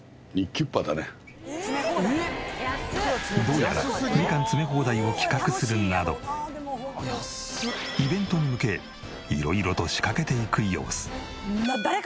どうやらみかん詰め放題を企画するなどイベントに向け色々と仕掛けていく様子。